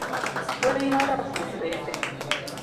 Wuoino rafuok bende